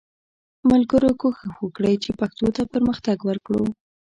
ملګرو کوښښ وکړئ چې پښتو ته پرمختګ ورکړو